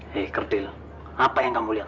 hei kertil apa yang kamu lihat